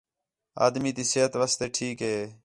آدمی تی صحت واسطے ٹھیک ہِے